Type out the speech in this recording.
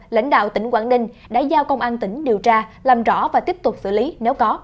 lãnh đạo tỉnh quảng ninh đã giao công an tỉnh điều tra làm rõ và tiếp tục xử lý nếu có